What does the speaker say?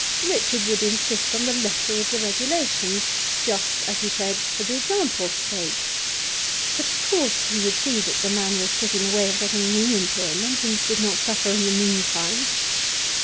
Richard would insist on the letter of the regulations, just, as he said, for the example's sake; but of course he would see that the man was put in the way of getting new employment and did not suffer in the meantime.